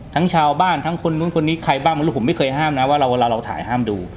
ทั้งชาวบ้านทั้งคนนู้นคนนี้ใครบ้างไม่รู้ผมไม่เคยห้ามนะว่าเวลาเราถ่ายห้ามดู